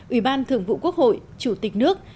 ủy ban thường vụ quốc hội chủ tịch nước